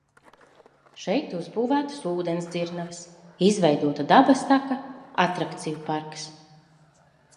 Šeit uzbūvētas ūdensdzirnavas, izveidota dabas taka, atrakciju parks.